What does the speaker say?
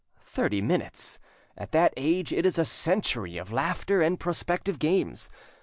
Thirty minutes! at that age it is a century, of laughter and prospective games!